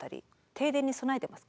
停電に備えてます？